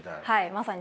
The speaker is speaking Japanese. まさに。